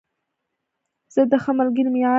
زه د ښه ملګري معیار لرم.